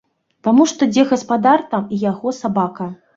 Таму што дзе гаспадар, там і яго сабака.